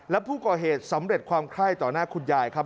และผู้ก่อเหตุสำเร็จความไคร้ต่อหน้าคุณยายครับ